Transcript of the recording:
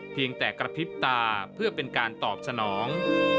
เพียงแต่กระพริบตาเพื่อเป็นการตอบสนอง